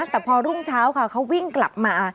แต่พอรุ่งเช้าค่ะเขาวิ่งกลับมา